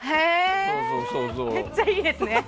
めっちゃいいですね。